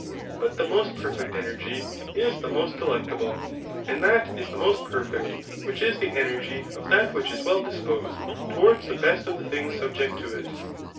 But the most perfect energy is the most delectable } and that is the most perfect which is the •nergy of that which is well disposed towards the best of the things subject to it.